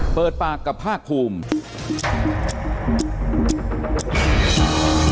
เปิดปากกับภาคภูมิ